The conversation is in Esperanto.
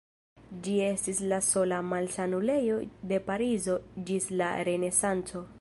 Ĝi estis la sola malsanulejo de Parizo ĝis la Renesanco.